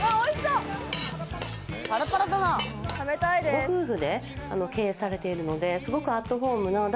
ご夫婦で経営されているので、すごくアットホームな。